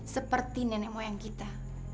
seperti nenek moyang kita